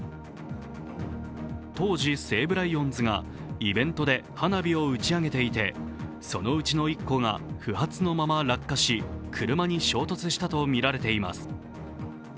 当時、西武ライオンズがイベントで花火を打ち上げていてそのうちの１個が不発のまま落下し車に衝突したとみられています。